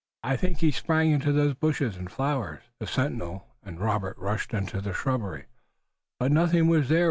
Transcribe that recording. I think he sprang into those bushes and flowers!" The sentinel and Robert rushed into the shrubbery but nothing was there.